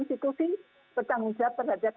institusi bertanggung jawab terhadap